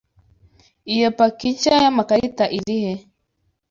Iyo paki nshya yamakarita arihe?